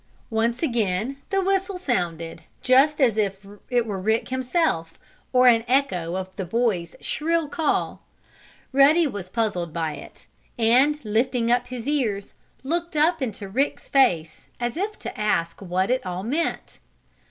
Once again the whistle sounded, just as if it were Rick himself, or an echo of the boy's shrill call. Ruddy was puzzled by it and, lifting up his ears, looked up into Rick's face, as if to ask what it all meant.